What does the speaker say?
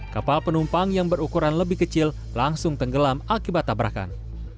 kapal penumpang yang berukuran lebih kecil langsung tenggelam akibat tabrakan